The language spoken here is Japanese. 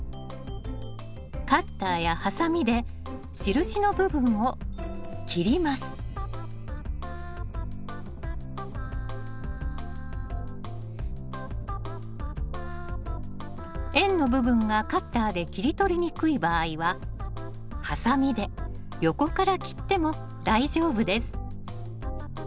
カッターやハサミで印の部分を切ります円の部分がカッターで切り取りにくい場合はハサミで横から切っても大丈夫です